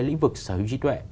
lĩnh vực sở hữu trí tuệ